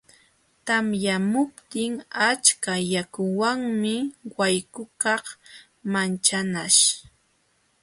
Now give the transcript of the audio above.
Tamyamuptin achka yakuwanmi wayqukaq manchanaśh.